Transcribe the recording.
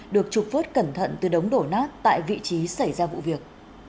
được trục vớt cẩn thận từ đống đổ nát tại vị trí xảy ra vụ việc